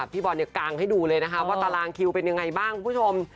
พี่บอลเนี่ยกางให้ดูเลยนะคะว่าตารางคิวเป็นยังไงบ้างคุณผู้ชม